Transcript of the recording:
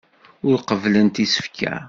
Ur qebblent isefka.